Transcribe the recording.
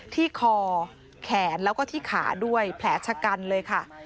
ที่คอแขนแล้วก็ที่ขาด้วยแผลชะกันเลยค่ะ